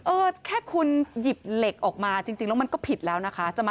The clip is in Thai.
แค่คุณหยิบเหล็กออกมาจริงแล้วมันก็ผิดแล้วนะคะ